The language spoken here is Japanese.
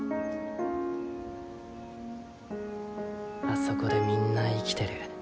あそこでみんな生きてる。